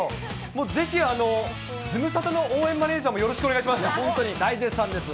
もうぜひズムサタの応援マネージャーもよろしくお願いします。